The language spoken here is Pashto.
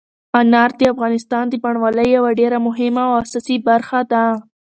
انار د افغانستان د بڼوالۍ یوه ډېره مهمه او اساسي برخه ده.